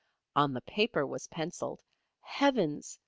On the paper was pencilled, "Heavens!